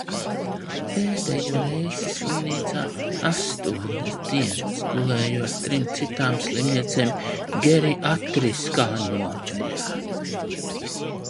Pēdējo reizi slimnīcā astoņas dienas gulēju ar trim citām slimniecēm geriatriskā nodaļā.